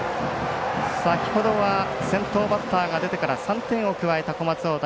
先ほどは先頭バッターが出てから３点を加えた小松大谷。